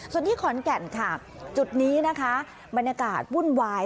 ส่วนที่ขอนแก่นค่ะจุดนี้นะคะบรรยากาศวุ่นวาย